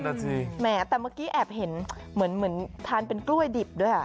แต่เมื่อกี้แอบเห็นเหมือนทานเป็นกล้วยดิบด้วย